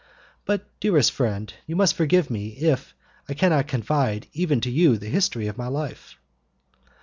But, dearest friend, you must forgive me if, I cannot confide even to you the history of my life."